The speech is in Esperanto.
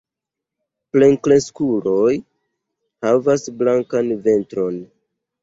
Plenkreskuloj havas blankan ventron.